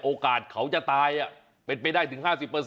โอกาสเขาจะตายเป็นไปได้ถึง๕๐